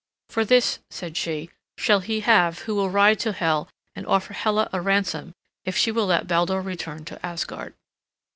"For this," said she, "shall he have who will ride to Hel and offer Hela a ransom if she will let Baldur return to Asgard."